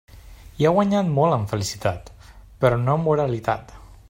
Hi ha guanyat molt en felicitat, però no en moralitat.